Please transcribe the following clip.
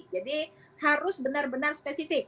jadi harus benar benar spesifik